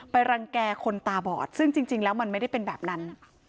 รังแก่คนตาบอดซึ่งจริงแล้วมันไม่ได้เป็นแบบนั้น